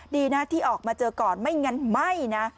ดีนะที่ออกมาเจอก่อนไม่งั้นไม่นะ